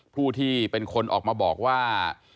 ผู้ที่เป็นคนออกมาบอกว่า